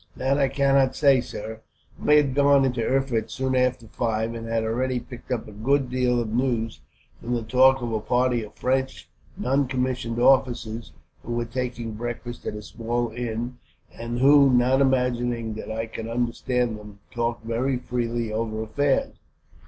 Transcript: "That I cannot say, sir. I had gone into Erfurt soon after five, and had already picked up a good deal of news, from the talk of a party of French non commissioned officers who were taking breakfast at a small inn; and who, not imagining that I could understand them, talked very freely over affairs.